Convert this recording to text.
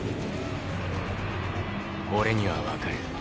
俺には分かる。